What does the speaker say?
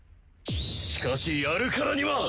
しかしやるからには！